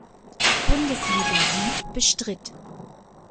Bundesliga Süd bestritt.